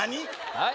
はい？